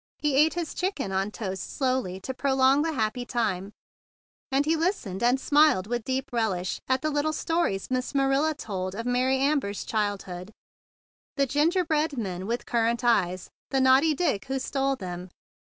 He ate his chicken on toast slowly to prolong the happy time; and he listened and smiled with deep relish at the little stories Miss Marilla told of Mary Amber's child¬ hood, the gingerbread men with cur¬ rant eyes, and the naughty Dick who stole them.